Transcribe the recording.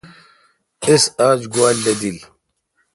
اِس آج گوا لدیل۔